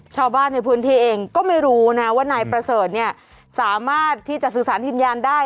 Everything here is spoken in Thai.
ชาวบ้านในพื้นที่เองก็ไม่รู้นะว่านายประเสริฐเนี่ยสามารถที่จะสื่อสารวิญญาณได้